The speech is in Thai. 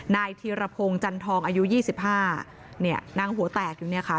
นายธีรพงศ์จันทองอายุ๒๕เนี่ยนั่งหัวแตกอยู่เนี่ยค่ะ